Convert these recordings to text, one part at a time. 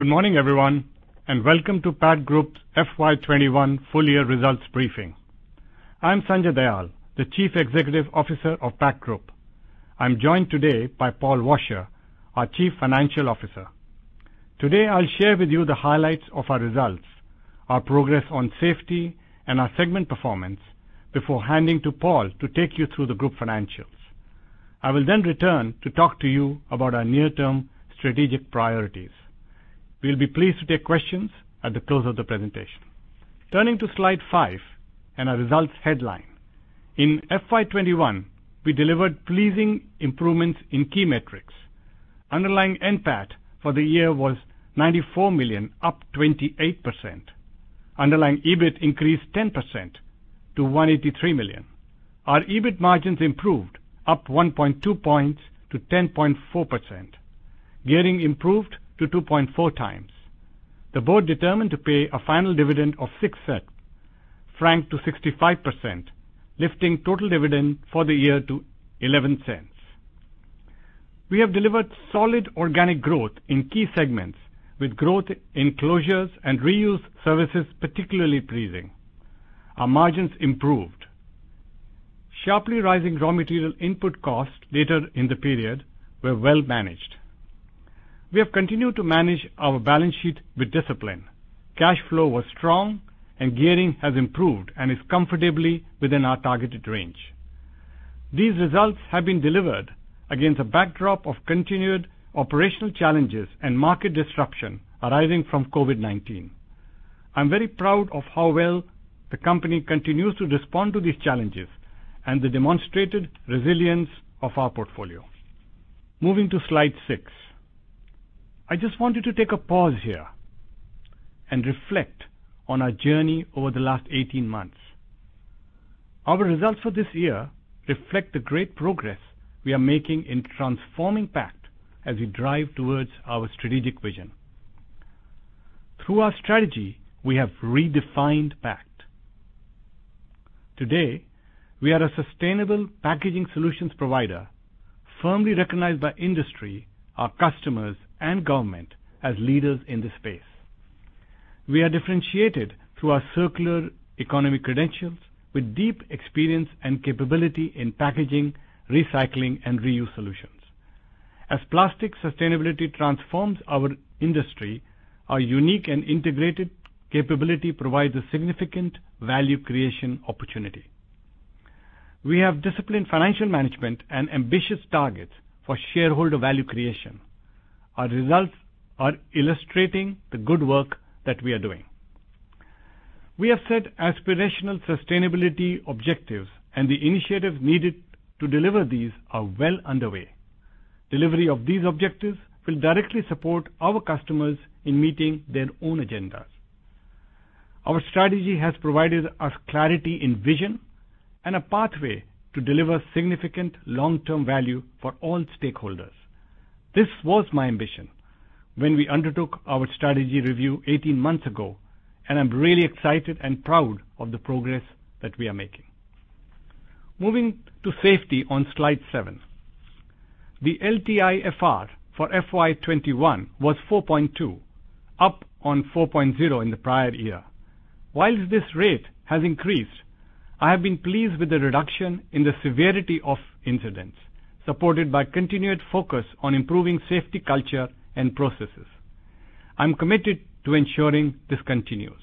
Good morning, everyone, welcome to Pact Group's FY 2021 full year results briefing. I'm Sanjay Dayal, the Chief Executive Officer of Pact Group. I'm joined today by Paul Washer, our Chief Financial Officer. Today, I'll share with you the highlights of our results, our progress on safety, and our segment performance before handing to Paul to take you through the group financials. I will return to talk to you about our near-term strategic priorities. We'll be pleased to take questions at the close of the presentation. Turning to Slide 5, our results headline. In FY 2021, we delivered pleasing improvements in key metrics. Underlying NPAT for the year was 94 million, up 28%. Underlying EBIT increased 10% to 183 million. Our EBIT margins improved, up 1.2 points to 10.4%. Gearing improved to 2.4 times. The board determined to pay a final dividend of 0.06, franked to 65%, lifting total dividend for the year to 0.11. We have delivered solid organic growth in key segments with growth in closures and reuse services particularly pleasing. Our margins improved. Sharply rising raw material input costs later in the period were well managed. We have continued to manage our balance sheet with discipline. Cash flow was strong. Gearing has improved and is comfortably within our targeted range. These results have been delivered against a backdrop of continued operational challenges and market disruption arising from COVID-19. I'm very proud of how well the company continues to respond to these challenges and the demonstrated resilience of our portfolio. Moving to Slide 6. I just wanted to take a pause here and reflect on our journey over the last 18 months. Our results for this year reflect the great progress we are making in transforming Pact as we drive towards our strategic vision. Through our strategy, we have redefined Pact. Today, we are a sustainable packaging solutions provider, firmly recognized by industry, our customers, and government as leaders in this space. We are differentiated through our circular economy credentials with deep experience and capability in packaging, recycling, and reuse solutions. As plastic sustainability transforms our industry, our unique and integrated capability provides a significant value creation opportunity. We have disciplined financial management and ambitious targets for shareholder value creation. Our results are illustrating the good work that we are doing. We have set aspirational sustainability objectives, and the initiatives needed to deliver these are well underway. Delivery of these objectives will directly support our customers in meeting their own agendas. Our strategy has provided us clarity in vision and a pathway to deliver significant long-term value for all stakeholders. This was my ambition when we undertook our strategy review 18 months ago, and I'm really excited and proud of the progress that we are making. Moving to safety on Slide 7. The LTIFR for FY21 was 4.2, up on 4.0 in the prior year. While this rate has increased, I have been pleased with the reduction in the severity of incidents, supported by continued focus on improving safety culture and processes. I'm committed to ensuring this continues.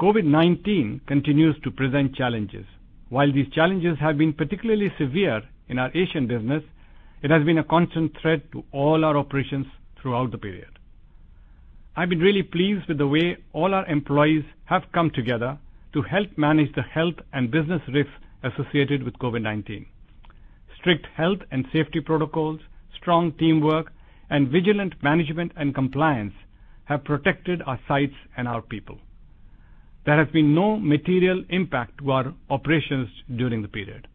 COVID-19 continues to present challenges. While these challenges have been particularly severe in our Asian business, it has been a constant threat to all our operations throughout the period. I've been really pleased with the way all our employees have come together to help manage the health and business risks associated with COVID-19. Strict health and safety protocols, strong teamwork, and vigilant management and compliance have protected our sites and our people. There has been no material impact to our operations during the period.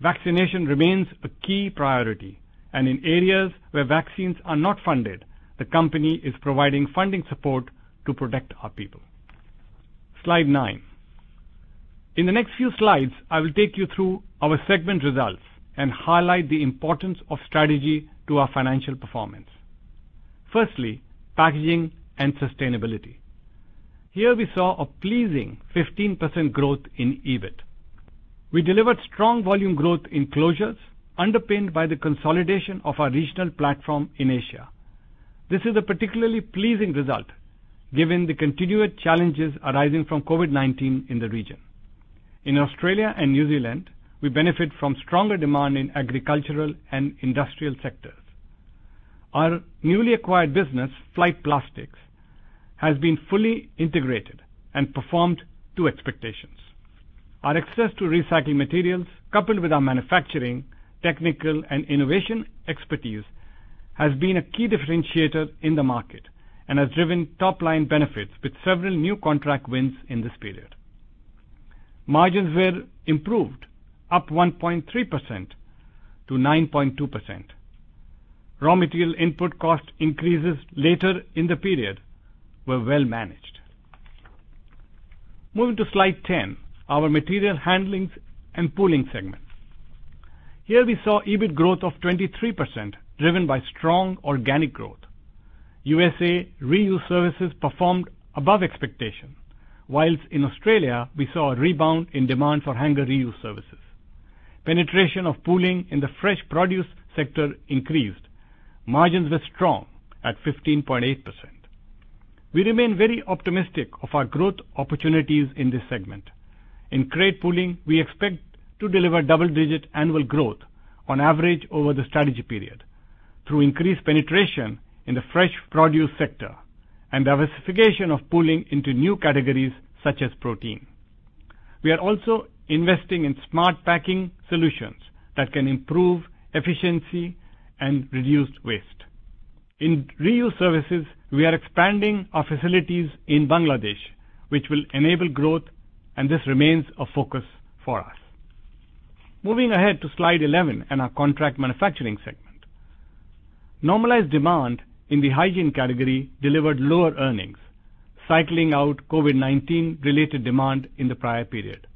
Vaccination remains a key priority, and in areas where vaccines are not funded, the company is providing funding support to protect our people. Slide 9. In the next few slides, I will take you through our segment results and highlight the importance of strategy to our financial performance. Firstly, Packaging and Sustainability. Here we saw a pleasing 15% growth in EBIT. We delivered strong volume growth in closures, underpinned by the consolidation of our regional platform in Asia. This is a particularly pleasing result given the continued challenges arising from COVID-19 in the region. In Australia and New Zealand, we benefit from stronger demand in agricultural and industrial sectors. Our newly acquired business, Flight Plastics, has been fully integrated and performed to expectations. Our access to recycling materials, coupled with our manufacturing, technical, and innovation expertise, has been a key differentiator in the market and has driven top-line benefits with several new contract wins in this period. Margins were improved, up 1.3% to 9.2%. Raw material input cost increases later in the period were well managed. Moving to slide 10, our Material Handlings and Pooling segment. Here we saw EBIT growth of 23%, driven by strong organic growth. U.S. reuse services performed above expectation, whilst in Australia, we saw a rebound in demand for hangar reuse services. Penetration of pooling in the fresh produce sector increased. Margins were strong at 15.8%. We remain very optimistic of our growth opportunities in this segment. In crate pooling, we expect to deliver double-digit annual growth on average over the strategy period through increased penetration in the fresh produce sector and diversification of pooling into new categories such as protein. We are also investing in smart packing solutions that can improve efficiency and reduce waste. In reuse services, we are expanding our facilities in Bangladesh, which will enable growth, and this remains a focus for us. Moving ahead to Slide 11 and our Contract Manufacturing segment. Normalized demand in the hygiene category delivered lower earnings, cycling out COVID-19 related demand in the prior period.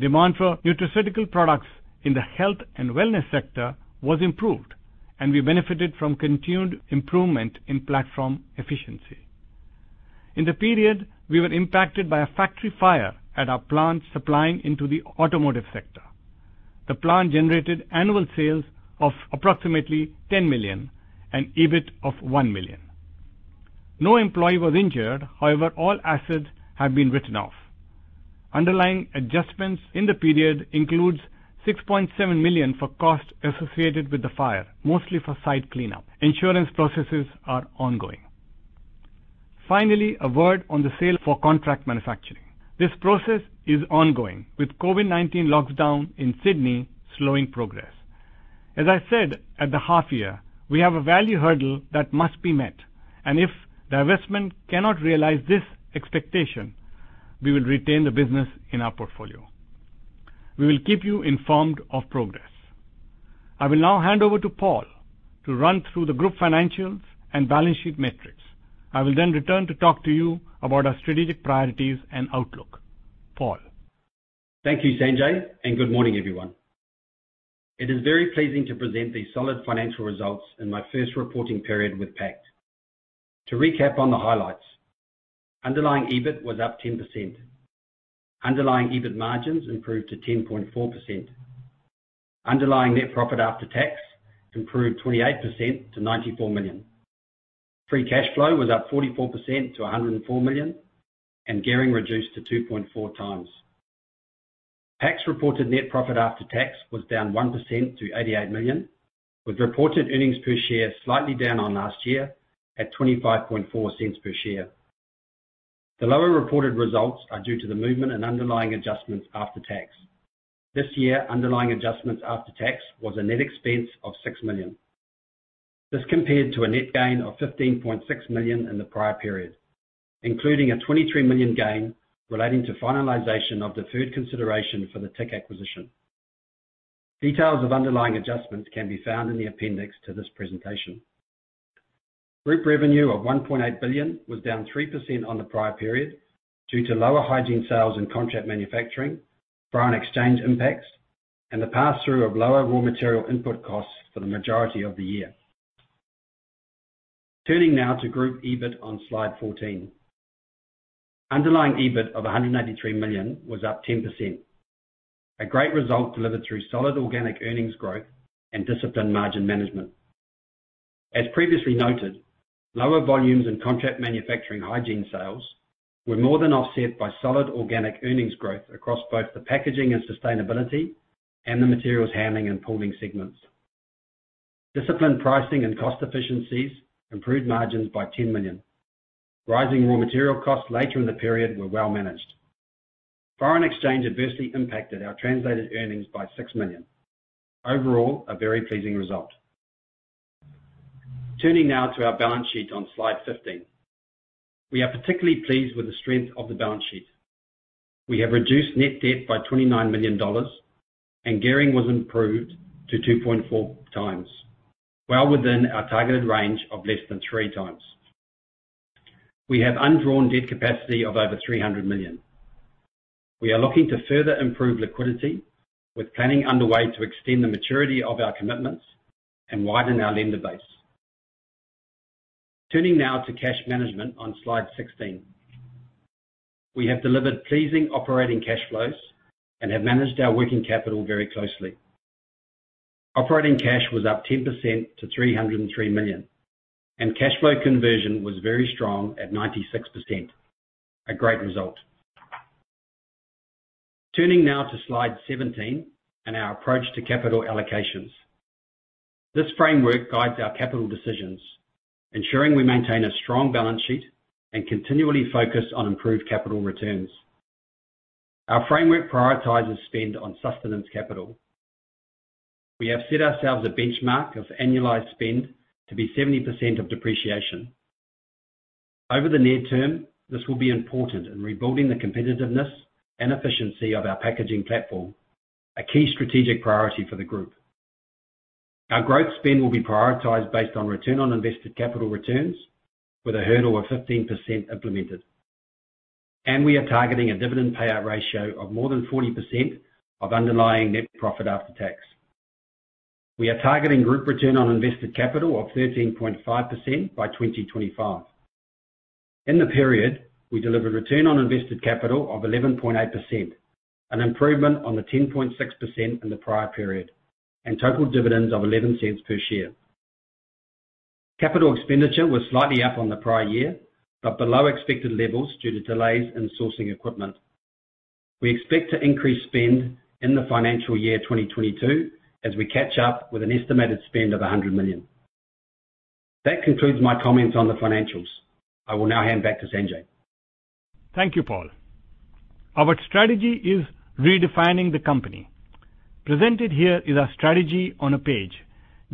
Demand for nutraceutical products in the health and wellness sector was improved, and we benefited from continued improvement in platform efficiency. In the period, we were impacted by a factory fire at our plant supplying into the automotive sector. The plant generated annual sales of approximately 10 million and EBIT of 1 million. No employee was injured, however, all assets have been written off. Underlying adjustments in the period includes 6.7 million for costs associated with the fire, mostly for site cleanup. Insurance processes are ongoing. Finally, a word on the sale for contract manufacturing. This process is ongoing with COVID-19 lockdown in Sydney slowing progress. As I said at the half year, we have a value hurdle that must be met, and if the investment cannot realize this expectation, we will retain the business in our portfolio. We will keep you informed of progress. I will now hand over to Paul to run through the group financials and balance sheet metrics. I will then return to talk to you about our strategic priorities and outlook. Paul. Thank you, Sanjay, and good morning, everyone. It is very pleasing to present these solid financial results in my first reporting period with Pact. To recap on the highlights, underlying EBIT was up 10%. Underlying EBIT margins improved to 10.4%. Underlying net profit after tax improved 28% to 94 million. Free cash flow was up 44% to 104 million, and gearing reduced to 2.4 times. Pact's reported net profit after tax was down 1% to 88 million, with reported earnings per share slightly down on last year at 0.254 per share. The lower reported results are due to the movement in underlying adjustments after tax. This year, underlying adjustments after tax was a net expense of 6 million. This compared to a net gain of 15.6 million in the prior period, including a 23 million gain relating to finalization of deferred consideration for the TIC Group acquisition. Details of underlying adjustments can be found in the appendix to this presentation. Group revenue of 1.8 billion was down 3% on the prior period due to lower hygiene sales and contract manufacturing, foreign exchange impacts, and the pass-through of lower raw material input costs for the majority of the year. Turning now to group EBIT on Slide 14. Underlying EBIT of 193 million was up 10%, a great result delivered through solid organic earnings growth and disciplined margin management. As previously noted, lower volumes in contract manufacturing hygiene sales were more than offset by solid organic earnings growth across both the packaging and sustainability and the materials handling and pooling segments. Disciplined pricing and cost efficiencies improved margins by 10 million. Rising raw material costs later in the period were well managed. Foreign exchange adversely impacted our translated earnings by 6 million. Overall, a very pleasing result. Turning now to our balance sheet on Slide 15. We are particularly pleased with the strength of the balance sheet. We have reduced net debt by 29 million dollars, and gearing was improved to 2.4 times, well within our targeted range of less than 3 times. We have undrawn debt capacity of over 300 million. We are looking to further improve liquidity, with planning underway to extend the maturity of our commitments and widen our lender base. Turning now to cash management on Slide 16. We have delivered pleasing operating cash flows and have managed our working capital very closely. Operating cash was up 10% to 303 million, and cash flow conversion was very strong at 96%. A great result. Turning now to Slide 17 and our approach to capital allocations. This framework guides our capital decisions, ensuring we maintain a strong balance sheet and continually focus on improved capital returns. Our framework prioritizes spend on sustenance capital. We have set ourselves a benchmark of annualized spend to be 70% of depreciation. Over the near term, this will be important in rebuilding the competitiveness and efficiency of our packaging platform, a key strategic priority for the Group. Our growth spend will be prioritized based on return on invested capital returns with a hurdle of 15% implemented. We are targeting a dividend payout ratio of more than 40% of underlying net profit after tax. We are targeting group return on invested capital of 13.5% by 2025. In the period, we delivered return on invested capital of 11.8%, an improvement on the 10.6% in the prior period, and total dividends of 0.11 per share. Capital expenditure was slightly up on the prior year, but below expected levels due to delays in sourcing equipment. We expect to increase spend in the financial year 2022 as we catch up with an estimated spend of 100 million. That concludes my comments on the financials. I will now hand back to Sanjay. Thank you, Paul. Our strategy is redefining the company. Presented here is our strategy on a page,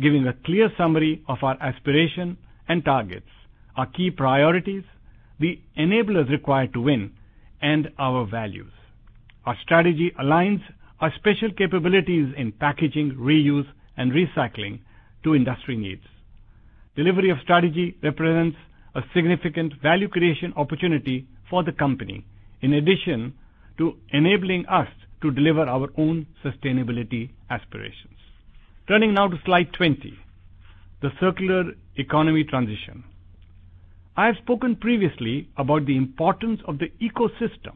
giving a clear summary of our aspiration and targets, our key priorities, the enablers required to win, and our values. Our strategy aligns our special capabilities in packaging, reuse, and recycling to industry needs. Delivery of strategy represents a significant value creation opportunity for the company, in addition to enabling us to deliver our own sustainability aspirations. Turning now to slide 20, the circular economy transition. I have spoken previously about the importance of the ecosystem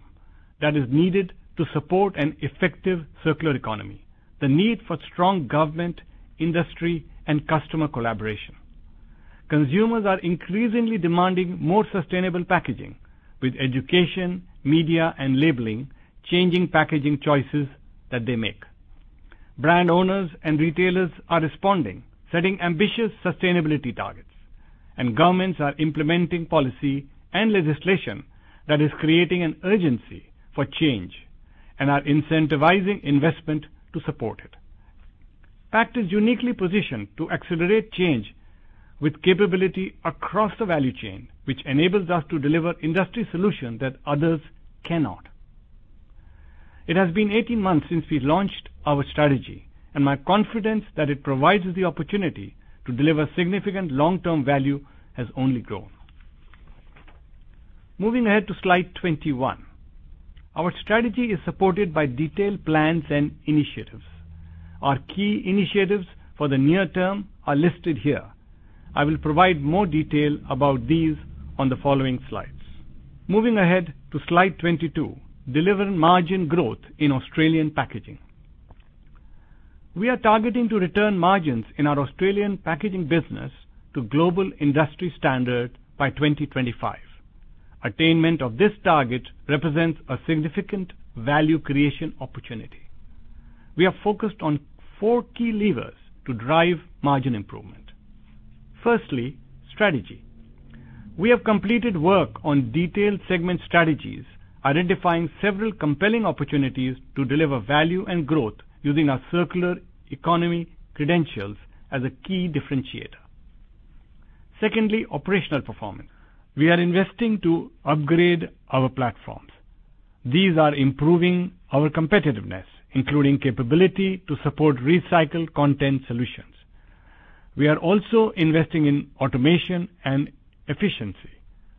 that is needed to support an effective circular economy, the need for strong government, industry, and customer collaboration. Consumers are increasingly demanding more sustainable packaging with education, media, and labeling, changing packaging choices that they make. Brand owners and retailers are responding, setting ambitious sustainability targets. Governments are implementing policy and legislation that is creating an urgency for change and are incentivizing investment to support it. Pact is uniquely positioned to accelerate change with capability across the value chain, which enables us to deliver industry solution that others cannot. It has been 18 months since we launched our strategy. My confidence that it provides the opportunity to deliver significant long-term value has only grown. Moving ahead to slide 21. Our strategy is supported by detailed plans and initiatives. Our key initiatives for the near term are listed here. I will provide more detail about these on the following slides. Moving ahead to slide 22, deliver margin growth in Australian packaging. We are targeting to return margins in our Australian packaging business to global industry standard by 2025. Attainment of this target represents a significant value creation opportunity. We are focused on four key levers to drive margin improvement. Firstly, strategy. We have completed work on detailed segment strategies, identifying several compelling opportunities to deliver value and growth using our circular economy credentials as a key differentiator. Secondly, operational performance. We are investing to upgrade our platforms. These are improving our competitiveness, including capability to support recycled content solutions. We are also investing in automation and efficiency.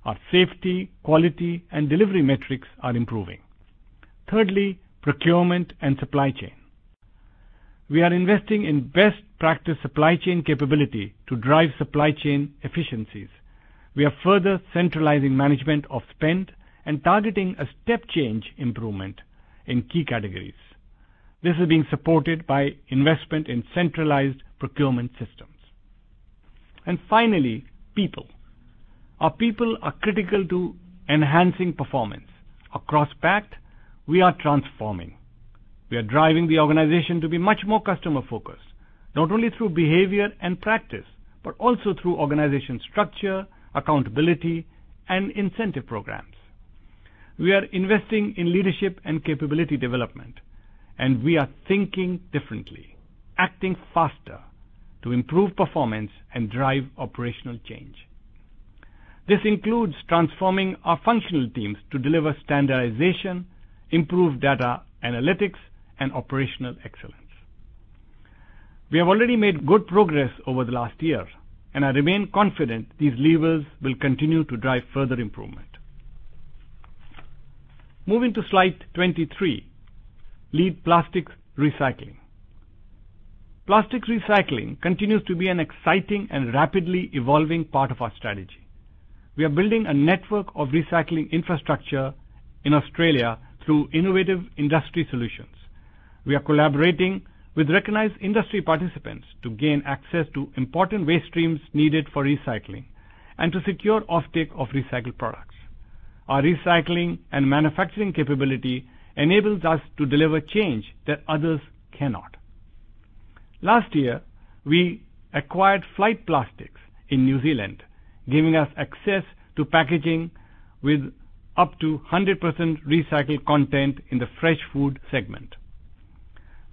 Our safety, quality, and delivery metrics are improving. Thirdly, procurement and supply chain. We are investing in best practice supply chain capability to drive supply chain efficiencies. We are further centralizing management of spend and targeting a step change improvement in key categories. This is being supported by investment in centralized procurement systems. Finally, people. Our people are critical to enhancing performance. Across Pact, we are transforming. We are driving the organization to be much more customer-focused, not only through behavior and practice, but also through organization structure, accountability, and incentive programs. We are investing in leadership and capability development, and we are thinking differently, acting faster to improve performance and drive operational change. This includes transforming our functional teams to deliver standardization, improve data analytics, and operational excellence. We have already made good progress over the last year, and I remain confident these levers will continue to drive further improvement. Moving to slide 23, lead plastics recycling. Plastics recycling continues to be an exciting and rapidly evolving part of our strategy. We are building a network of recycling infrastructure in Australia through innovative industry solutions. We are collaborating with recognized industry participants to gain access to important waste streams needed for recycling and to secure offtake of recycled products. Our recycling and manufacturing capability enables us to deliver change that others cannot. Last year, we acquired Flight Plastics in New Zealand, giving us access to packaging with up to 100% recycled content in the fresh food segment.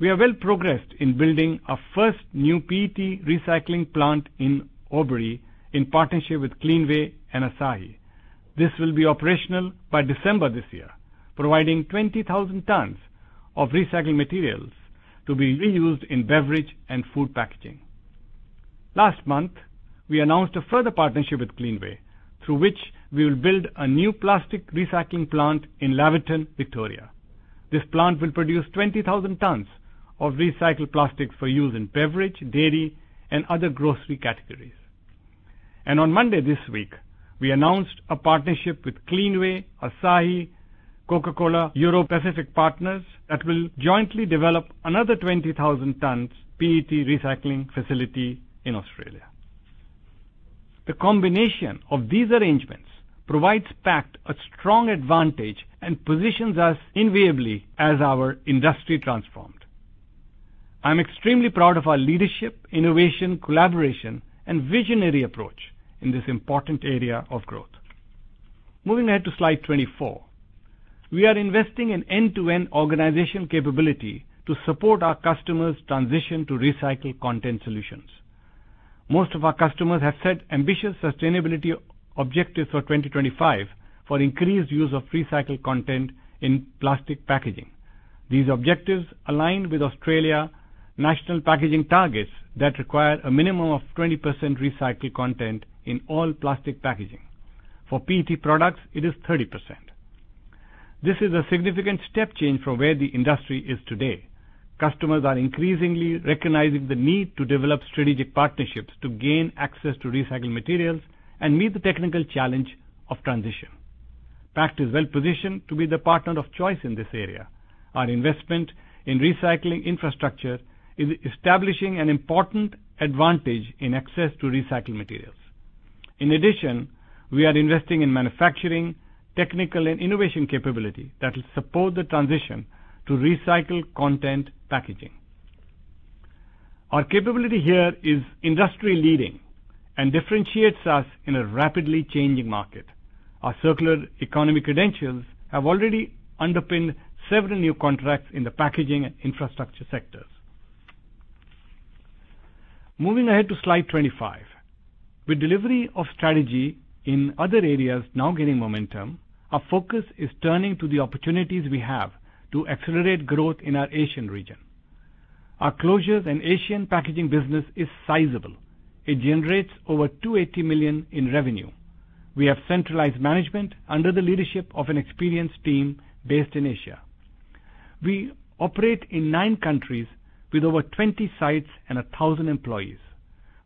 We are well progressed in building our first new PET recycling plant in Albury in partnership with Cleanaway and Asahi. This will be operational by December this year, providing 20,000 tons of recycling materials to be reused in beverage and food packaging. Last month, we announced a further partnership with Cleanaway, through which we'll build a new plastic recycling plant in Laverton, Victoria. This plant will produce 20,000 tons of recycled plastic for use in beverage, dairy and other grocery categories. On Monday this week, we announced a partnership with Cleanaway, Asahi, Coca-Cola Europacific Partners, that will jointly develop another 20,000 tons PET recycling facility in Australia. The combination of these arrangements provides Pact a strong advantage and positions us enviably as our industry transformed. I'm extremely proud of our leadership, innovation, collaboration and visionary approach in this important area of growth. Moving ahead to slide 24. We are investing in end-to-end organization capability to support our customers' transition to recycled content solutions. Most of our customers have set ambitious sustainability objectives for 2025 for increased use of recycled content in plastic packaging. These objectives align with Australia National Packaging targets that require a minimum of 20% recycled content in all plastic packaging. For PET products, it is 30%. This is a significant step change from where the industry is today. Customers are increasingly recognizing the need to develop strategic partnerships to gain access to recycled materials and meet the technical challenge of transition. Pact is well-positioned to be the partner of choice in this area. Our investment in recycling infrastructure is establishing an important advantage in access to recycled materials. In addition, we are investing in manufacturing, technical, and innovation capability that will support the transition to recycled content packaging. Our capability here is industry-leading and differentiates us in a rapidly changing market. Our circular economy credentials have already underpinned several new contracts in the packaging and infrastructure sectors. Moving ahead to slide 25. With delivery of strategy in other areas now gaining momentum, our focus is turning to the opportunities we have to accelerate growth in our Asian region. Our closures and Asian packaging business is sizable. It generates over 280 million in revenue. We have centralized management under the leadership of an experienced team based in Asia. We operate in 9 countries with over 20 sites and 1,000 employees.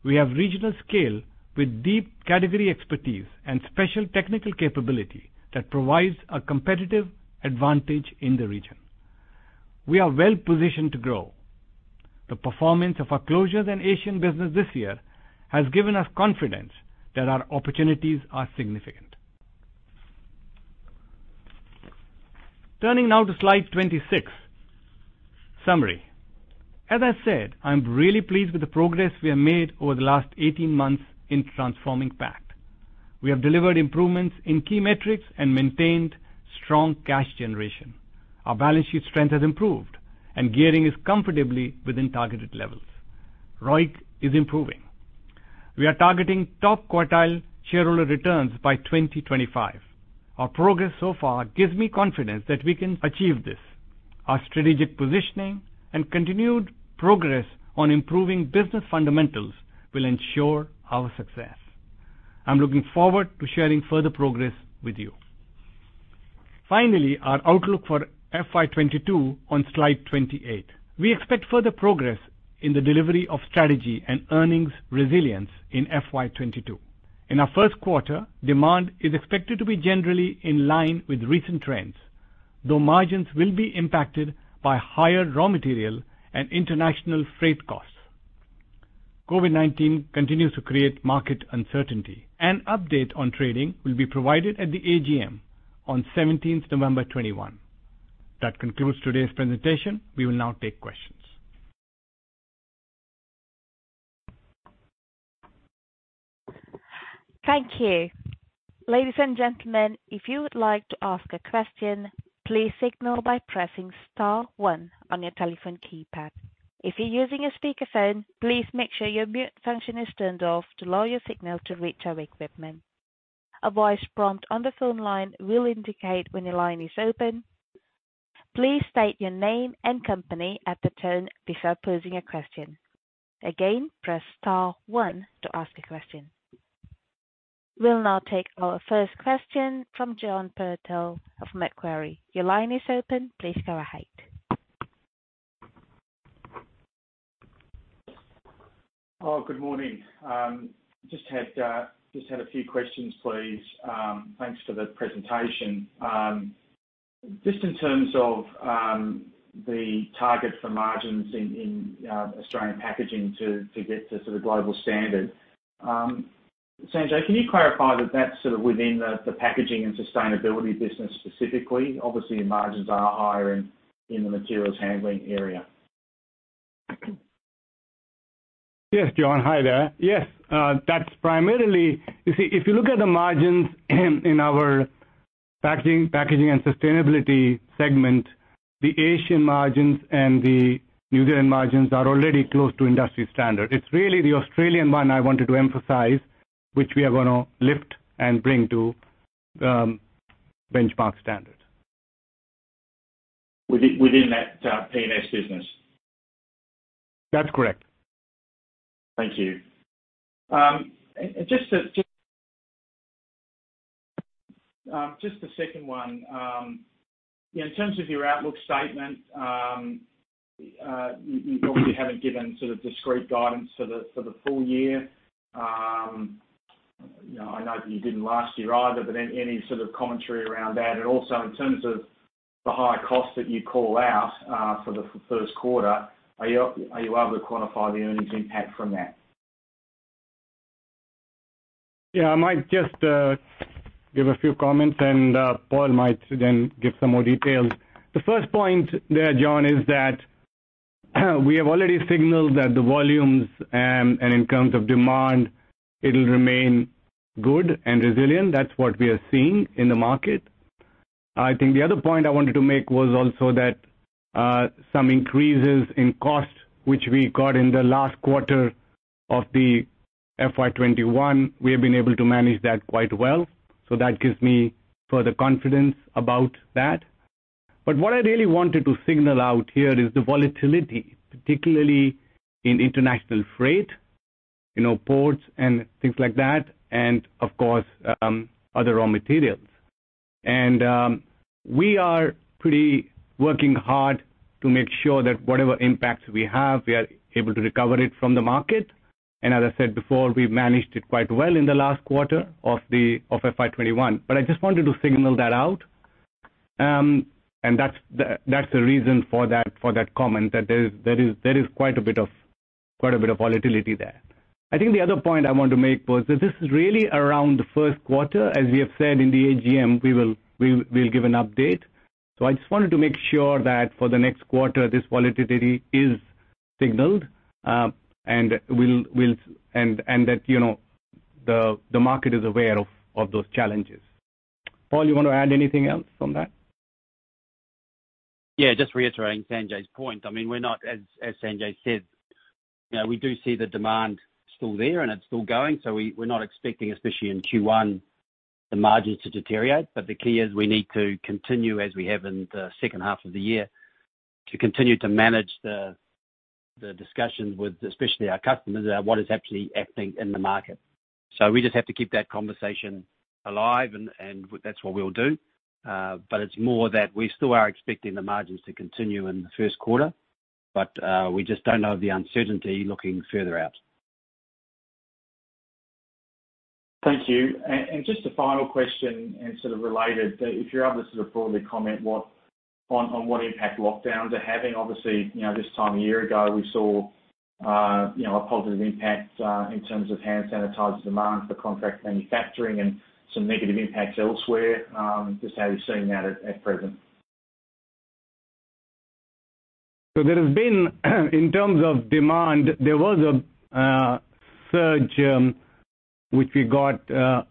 We have regional scale with deep category expertise and special technical capability that provides a competitive advantage in the region. We are well positioned to grow. The performance of our closures and Asian business this year has given us confidence that our opportunities are significant. Turning now to slide 26. Summary. As I said, I'm really pleased with the progress we have made over the last 18 months in transforming Pact. We have delivered improvements in key metrics and maintained strong cash generation. Our balance sheet strength has improved, and gearing is comfortably within targeted levels. ROIC is improving. We are targeting top quartile shareholder returns by 2025. Our progress so far gives me confidence that we can achieve this. Our strategic positioning and continued progress on improving business fundamentals will ensure our success. I'm looking forward to sharing further progress with you. Finally, our outlook for FY22 on slide 28. We expect further progress in the delivery of strategy and earnings resilience in FY22. In our first quarter, demand is expected to be generally in line with recent trends, though margins will be impacted by higher raw material and international freight costs. COVID-19 continues to create market uncertainty. An update on trading will be provided at the AGM on 17th November 2021. That concludes today's presentation. We will now take questions. Thank you. Ladies and gentlemen, if you would like to ask a question, please signal by pressing star one on your telephone keypad. If you're using a speakerphone, please make sure your mute function is turned off to allow your signal to reach our equipment. A voice prompt on the phone line will indicate when your line is open. Please state your name and company at the tone before posing a question. Again, press star one to ask a question. We'll now take our first question from John Purtell of Macquarie. Your line is open. Please go ahead. Oh, good morning. Just had a few questions, please. Thanks for the presentation. Just in terms of the target for margins in Australian packaging to get to sort of global standard. Sanjay, can you clarify that that's sort of within the packaging and sustainability business specifically? Obviously, your margins are higher in the materials handling area. Yes, John. Hi there. Yes. You see, if you look at the margins in our. Packaging and sustainability segment, the Asian margins and the New Zealand margins are already close to industry standard. It's really the Australian one I wanted to emphasize, which we are going to lift and bring to benchmark standard. Within that P&S business? That's correct. Thank you. Just the second one. In terms of your outlook statement, you obviously haven't given sort of discrete guidance for the full year. I know that you didn't last year either, but any sort of commentary around that? Also in terms of the higher costs that you call out for the first quarter, are you able to quantify the earnings impact from that? Yeah, I might just give a few comments, and Paul might then give some more details. The first point there, John Purtell, is that we have already signaled that the volumes and in terms of demand, it'll remain good and resilient. That's what we are seeing in the market. I think the other point I wanted to make was also that some increases in cost, which we got in the last quarter of the FY21, we have been able to manage that quite well, so that gives me further confidence about that. What I really wanted to signal out here is the volatility, particularly in international freight, ports and things like that, and of course, other raw materials. We are pretty working hard to make sure that whatever impacts we have, we are able to recover it from the market. As I said before, we managed it quite well in the last quarter of FY21. I just wanted to signal that out. That's the reason for that comment, that there is quite a bit of volatility there. I think the other point I wanted to make was that this is really around the first quarter. As we have said in the AGM, we'll give an update. I just wanted to make sure that for the next quarter, this volatility is signaled, and that the market is aware of those challenges. Paul, you want to add anything else on that? Yeah, just reiterating Sanjay's point. As Sanjay said, we do see the demand still there, and it's still going. We're not expecting, especially in Q1, the margins to deteriorate. The key is we need to continue as we have in the second half of the year, to continue to manage the discussions with especially our customers about what is actually happening in the market. We just have to keep that conversation alive, and that's what we'll do. It's more that we still are expecting the margins to continue in the first quarter. We just don't know the uncertainty looking further out. Thank you. Just a final question and sort of related. If you're able to sort of broadly comment on what impact lockdowns are having. Obviously, this time a year ago, we saw a positive impact in terms of hand sanitizer demand for contract manufacturing and some negative impacts elsewhere. Just how are you seeing that at present? There has been, in terms of demand, there was a surge, which we got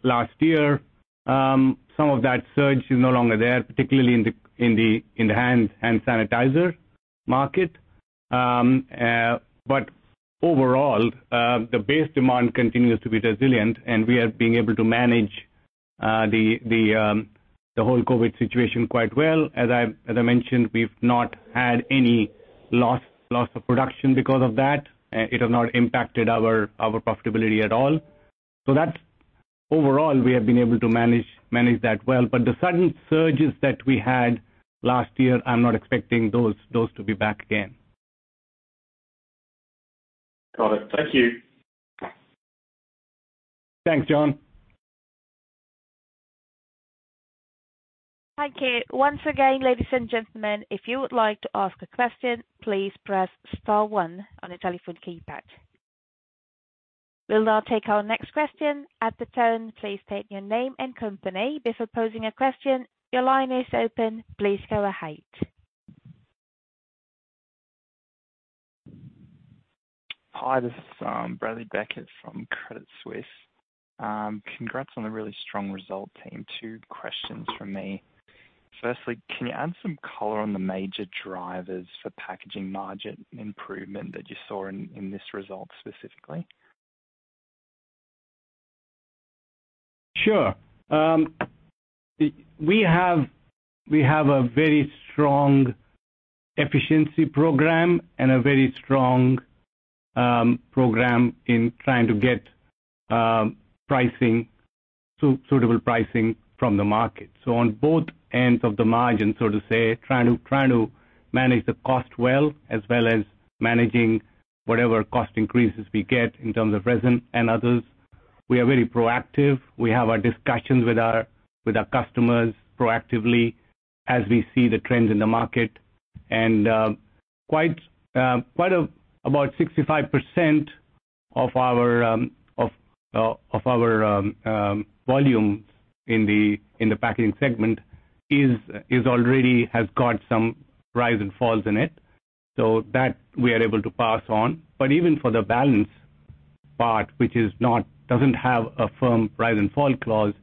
last year. Some of that surge is no longer there, particularly in the hand sanitizer market. Overall, the base demand continues to be resilient, and we are being able to manage the whole COVID situation quite well. As I mentioned, we've not had any loss of production because of that. It has not impacted our profitability at all. That overall, we have been able to manage that well. The sudden surges that we had last year, I'm not expecting those to be back again. Got it. Thank you. Thanks, John. Thank you. Once again, ladies and gentlemen, if you would like to ask a question, please press star one on your telephone keypad. We'll now take our next question. At the tone, please state your name and company before posing a question. Your line is open. Please go ahead. Hi, this is Bradley Beckett from Credit Suisse. Congrats on the really strong result team. Two questions from me. Firstly, can you add some color on the major drivers for packaging margin improvement that you saw in this result specifically? Sure. We have a very strong efficiency program and a very strong program in trying to get suitable pricing from the market. On both ends of the margin, so to say, trying to manage the cost well, as well as managing whatever cost increases we get in terms of resin and others. We are very proactive. We have our discussions with our customers proactively as we see the trends in the market. About 65% of our volume in the packaging segment already has got some rise and falls in it. That we are able to pass on. Even for the balance part which doesn't have a firm rise and fall clause,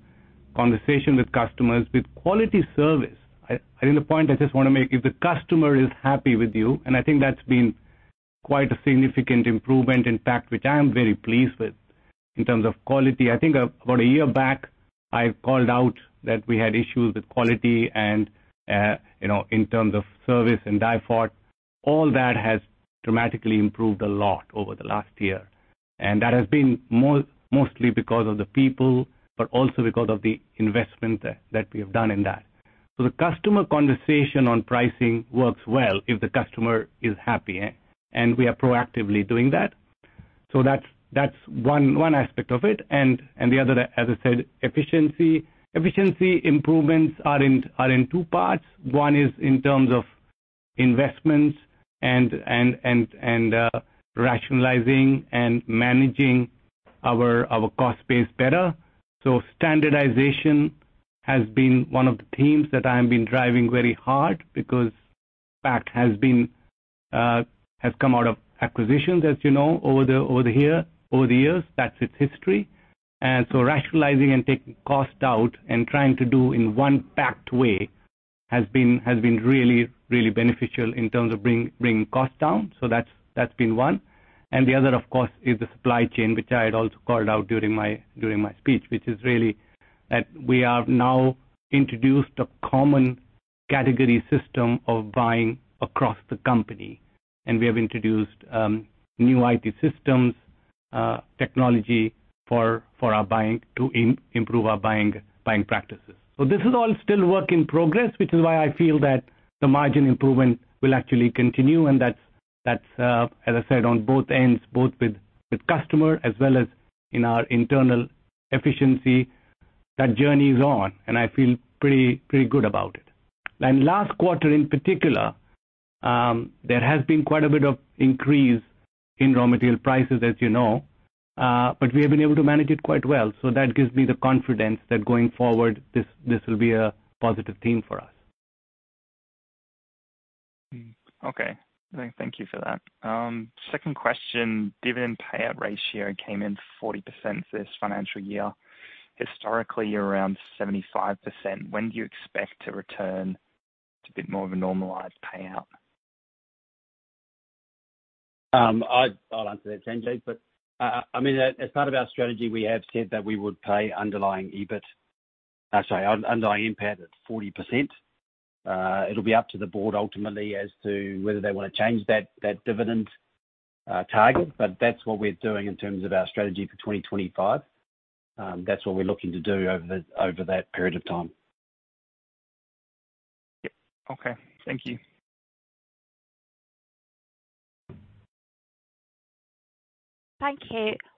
conversation with customers with quality service. I think the point I just want to make, if the customer is happy with you, and I think that's been quite a significant improvement in Pact, which I am very pleased with, in terms of quality. I think about a year back, I called out that we had issues with quality and in terms of service and DIFOT. All that has dramatically improved a lot over the last year. That has been mostly because of the people, but also because of the investment that we have done in that. The customer conversation on pricing works well if the customer is happy, and we are proactively doing that. That's one aspect of it. The other, as I said, efficiency. Efficiency improvements are in two parts. One is in terms of investments and rationalizing and managing our cost base better. Standardization has been one of the themes that I have been driving very hard because Pact has come out of acquisitions, as you know, over the years. That's its history. Rationalizing and taking cost out and trying to do in one Pact way has been really beneficial in terms of bringing costs down. That's been one. The other, of course, is the supply chain, which I had also called out during my speech. We have now introduced a common category system of buying across the company, and we have introduced new IT systems, technology to improve our buying practices. This is all still work in progress, which is why I feel that the margin improvement will actually continue, and that's, as I said, on both ends, both with customer as well as in our internal efficiency. That journey is on. I feel pretty good about it. Last quarter in particular, there has been quite a bit of increase in raw material prices, as you know. We have been able to manage it quite well. That gives me the confidence that going forward, this will be a positive theme for us. Okay. Thank you for that. Second question. Dividend payout ratio came in 40% this financial year. Historically, you're around 75%. When do you expect to return to a bit more of a normalized payout? I'll answer that, James. As part of our strategy, we have said that we would pay underlying NPAT at 40%. It'll be up to the board ultimately as to whether they want to change that dividend target. That's what we're doing in terms of our strategy for 2025. That's what we're looking to do over that period of time. Yep. Okay. Thank you. Thank you.